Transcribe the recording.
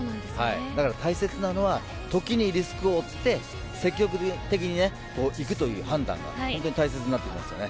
だから大切なのは時にリスクを負って積極的にね、いくという判断が本当に大切になってきますよね。